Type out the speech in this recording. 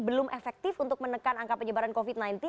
belum efektif untuk menekan angka penyebaran covid sembilan belas